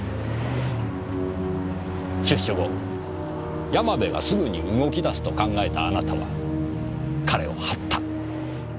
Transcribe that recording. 出所後山部がすぐに動き出すと考えたあなたは彼を張った。